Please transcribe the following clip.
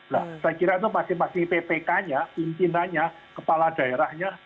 nah saya kira itu masing masing ppk nya pimpinannya kepala daerahnya